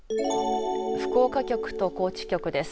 福岡局と高知局です。